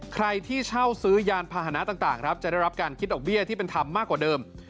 ใครที่เช่าซื้อยานพาหนะต่างครับจะได้รับการคิดดอกเบี้ยที่เป็นธรรมมากกว่าเดิม